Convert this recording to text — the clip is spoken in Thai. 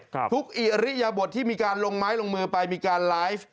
ทุกอิริยบทที่มีการลงไม้ลงมือไปมีการไลฟ์